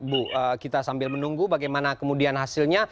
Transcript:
bu kita sambil menunggu bagaimana kemudian hasilnya